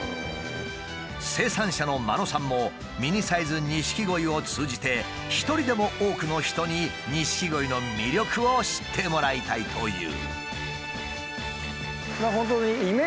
生産者の間野さんもミニサイズ錦鯉を通じて一人でも多くの人に錦鯉の魅力を知ってもらいたいという。